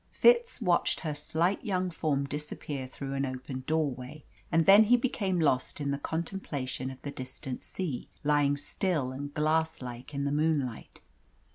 Fitz watched her slight young form disappear through an open doorway, and then he became lost in the contemplation of the distant sea, lying still and glass like in the moonlight.